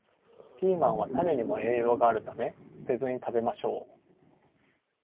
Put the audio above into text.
ピーマンは種にも栄養があるため、捨てずに食べましょう